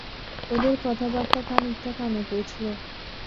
ওদের কথাবার্তা অনেকখানি কানে পৌঁছল।